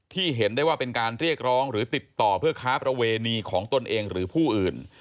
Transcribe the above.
เห็นได้ว่าเป็นการเรียกร้องหรือติดต่อเพื่อค้าประเวณีของตนเองหรือผู้อื่น